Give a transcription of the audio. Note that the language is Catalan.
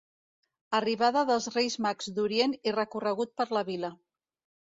Arribada dels reis Mags d'Orient i recorregut per la vila.